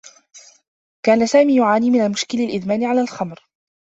كان سامي يعاني من مشكل إدمان على الخمر.